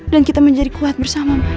dan kita menjadi kuat bersama mas